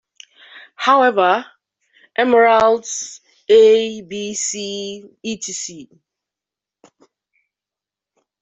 However, emeralds "a, b, c,"..etc.